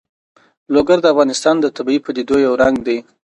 لوگر د افغانستان د طبیعي پدیدو یو رنګ دی.